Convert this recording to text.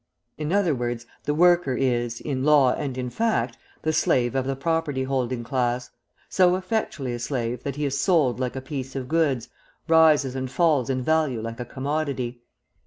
In other words, the worker is, in law and in fact, the slave of the property holding class, so effectually a slave that he is sold like a piece of goods, rises and falls in value like a commodity.